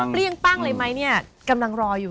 เปรี้ยงปั้้งเลยมั้ยกำลังรออยู่